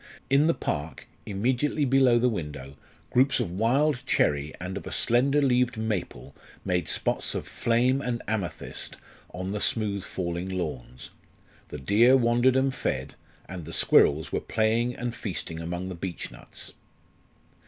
In the park, immediately below the window, groups of wild cherry and of a slender leaved maple made spots of "flame and amethyst" on the smooth falling lawns; the deer wandered and fed, and the squirrels were playing and feasting among the beech nuts.